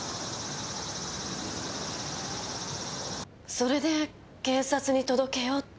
それで警察に届けようって。